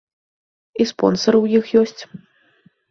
І спонсары ў іх ёсць.